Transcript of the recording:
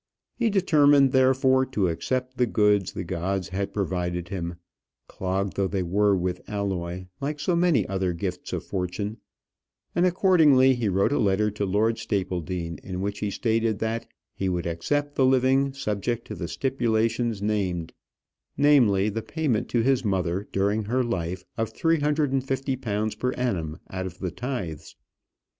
He determined, therefore, to accept the goods the gods had provided him, clogged though they were with alloy, like so many other gifts of fortune; and accordingly he wrote a letter to Lord Stapledean, in which he stated "that he would accept the living, subject to the stipulations named namely, the payment to his mother, during her life, of three hundred and fifty pounds per annum out of the tithes."